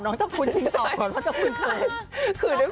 น้องเจ้าคุณชิ้นตอบก่อนว่าเจ้าคุณเขิน